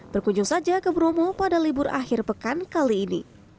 berkunjung saja ke bromo pada libur akhir pekan kali ini